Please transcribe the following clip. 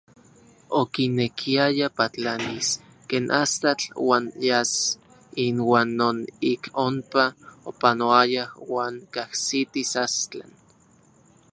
Okinekiaya patlanis ken astatl uan yas inuan non ik onpa opanoayaj uan kajsitis Astlan.